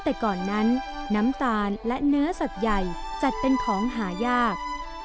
แต่ก่อนนั้นน้ำตาลและเนื้อสัตว์ใหญ่จัดเป็นของหายาก